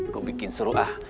gua bikin seru ah